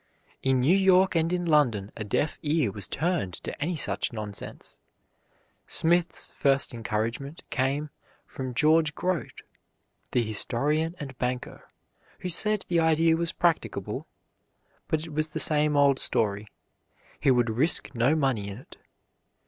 In New York and in London a deaf ear was turned to any such nonsense. Smith's first encouragement came from George Grote, the historian and banker, who said the idea was practicable; but it was the same old story, he would risk no money in it.